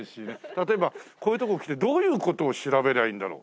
例えばこういう所へ来てどういう事を調べりゃいいんだろう？